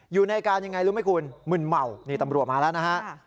อยู่ในการยังไงรู้ไหมคุณมึนเมานี่ตำรวจมาแล้วนะฮะ